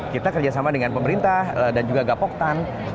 kita kerjasama dengan pemerintah dan juga gapoktan